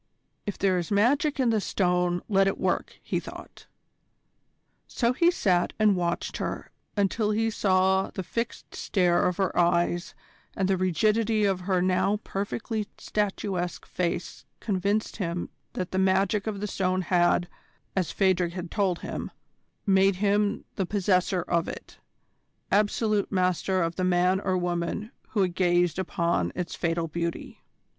If there is magic in the Stone, let it work, he thought; and so he sat and watched her until he saw that the fixed stare of her eyes and the rigidity of her now perfectly statuesque face convinced him that the magic of the Stone had, as Phadrig had told him, made him the possessor of it, absolute master of the man or woman who had gazed upon its fatal beauty.